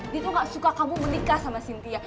dia tuh gak suka kamu menikah sama cynthia